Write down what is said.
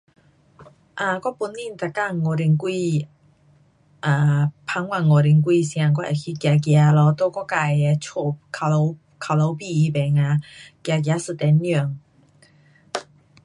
um 我本身每天五点多 um 傍晚五点多时间我会去走走咯，在我自己家周围周围边那边啊,走走一点钟。